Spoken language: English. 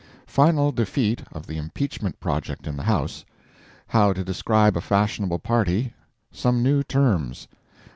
Final Defeat of the Impeachment Project in the House. How to Describe a Fashionable Party—Some New Terms.